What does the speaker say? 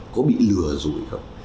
có bị lừa rồi không